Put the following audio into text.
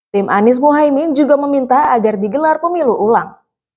tim anies mohaimin juga meminta agar digelar pemilu ulang